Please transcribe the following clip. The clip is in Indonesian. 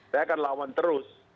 saya akan lawan terus